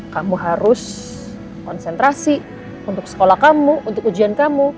kamu harus konsentrasi untuk sekolah kamu untuk ujian kamu